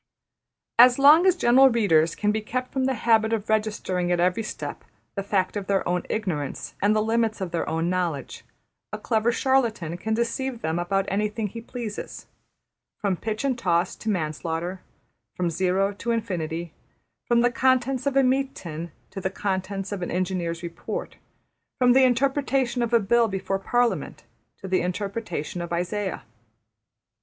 As long as general readers can be kept from the habit of registering at every step the fact of their own ignorance and the limits of their own knowledge, a clever charlatan can deceive them about anything he pleases: ``from pitch and toss to manslaughter''; from Zero to Infinity; from the contents of a meat tin to the contents of an engineer's report; from the interpretation of a bill before Parliament to the interpretation of Isaiah.